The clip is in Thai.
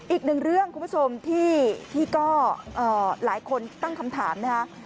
อีกหนึ่งเรื่องคุณผู้ชมที่ก็หลายคนตั้งคำถามนะคะ